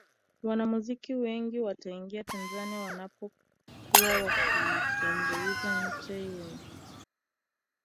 wanamuziki wengi wanaitanga tanzania wanapokuwa wakitumbuiza nje ya nchi